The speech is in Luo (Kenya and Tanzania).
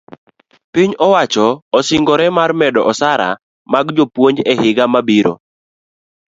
piny owacho osesingore mar medo osara mag jopuonj e higa mabiro